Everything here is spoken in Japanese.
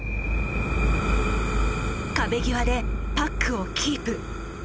壁際でパックをキープ。